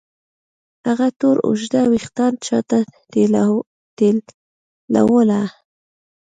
هغې تور اوږده وېښتان شاته ټېلوهل.